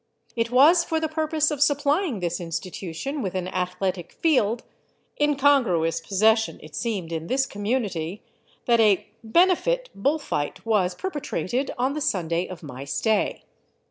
It was for the purpose of supplying this institution with an athletic field — incongruous possession it seemed in this community — that a " benefit '' bull fight was perpe trated on the Sunday of my stay.